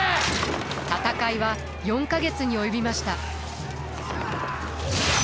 戦いは４か月に及びました。